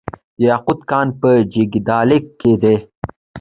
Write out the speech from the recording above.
د یاقوت کان په جګدلک کې دی